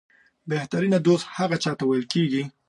بهترینه دوست هغه چاته ویل کېږي